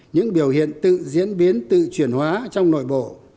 những biểu hiện tự diễn biến tự chuyển hóa trong nội bộ